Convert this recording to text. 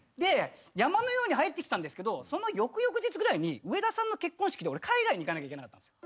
山のように入ってきたんですけどその翌々日ぐらいに上田さんの結婚式で俺海外に行かなきゃいけなかったんです。